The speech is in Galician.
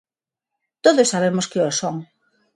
Todos sabemos que o son.